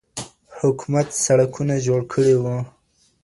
حکومت سړکونه جوړ کړي وو.